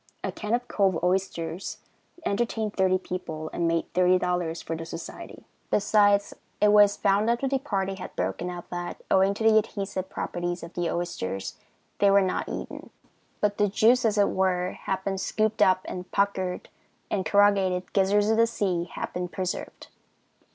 A can of cove oysters entertained thirty people and made $30 for the society. Besides, it was found after the party had broken up that, owing to the adhesive properties of the oysters, they were not eaten; but the juice, as it were, had been scooped up and the puckered and corrugated gizzards of the sea had been preserved.